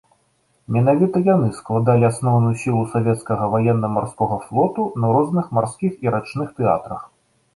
Менавіта яны складалі асноўную сілу савецкага ваенна-марскога флоту на розных марскіх і рачных тэатрах.